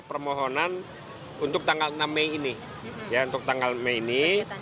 permohonan untuk tanggal enam mei ini